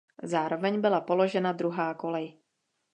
Zároveň byla položena druhá kolej.